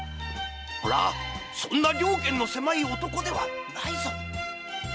俺はそんな了見の狭い男ではないぞ。